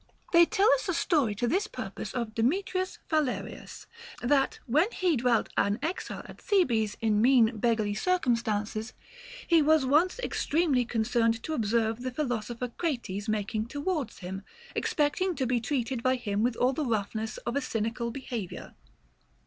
They tell us a story to this purpose of Demetrius Phalereus, that, when he dwelt an exile at Thebes in mean beggarly circumstances, he was once ex tremely concerned to observe the philosopher Crates mak ing towards him, expecting to be treated by him with all the roughness of a cynical behavior.